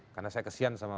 karena saya kesian sama